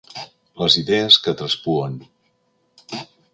Les idees que traspuen.